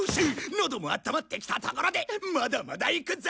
のどもあったまってきたところでまだまだいくぜ！